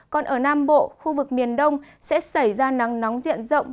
còn ở nam bộ khu vực miền đông sẽ xảy ra nắng nóng diện rộng